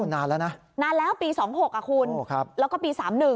นานแล้วนะนานแล้วปี๒๖คุณแล้วก็ปี๓๑